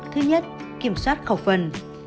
thứ nhất kiểm soát khẩu phần